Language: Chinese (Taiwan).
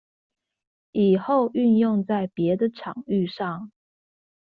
以後運用在別的場域上